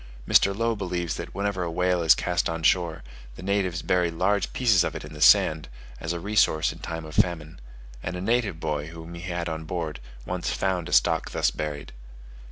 Mr. Low believes that whenever a whale is cast on shore, the natives bury large pieces of it in the sand, as a resource in time of famine; and a native boy, whom he had on board, once found a stock thus buried.